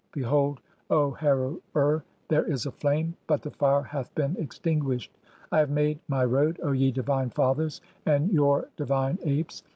Behold, "Heru ur, (i3) there is a flame, but the fire hath been extin guished. I have made [my] road, O ye divine fathers and "your divine apes